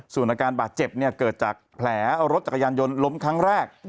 ส่วนอาการบาดเจ็บเกิดจากแผลรถจักรยานยนต์ล้มครั้งแรก